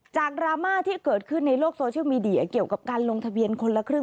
ดราม่าที่เกิดขึ้นในโลกโซเชียลมีเดียเกี่ยวกับการลงทะเบียนคนละครึ่ง